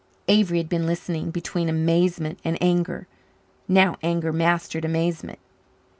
Avery had been listening, between amazement and anger. Now anger mastered amazement.